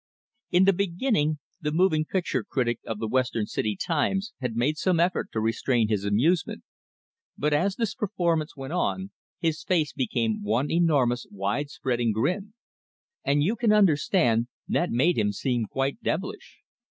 In the beginning, the moving picture critic of the Western City "Times" had made some effort to restrain his amusement. But as this performance went on, his face became one enormous, wide spreading grin; and you can understand, that made him seem quite devilish.